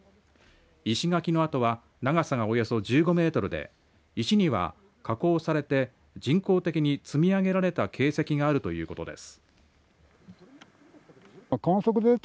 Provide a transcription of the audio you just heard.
石垣の跡は長さがおよそ１５メートルで石には加工されて人工的に積み上げられた形跡があるということです。